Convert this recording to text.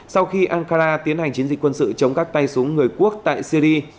sau khi ankara tiến hành chiến dịch quân sự chống các tay súng người quốc tại syri